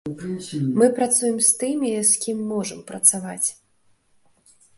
Мы працуем з тымі, з кім можам працаваць.